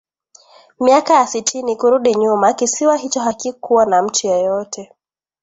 Miaka ya sitini kurudi nyuma kisiwa hicho hakikuwa na mtu yeyote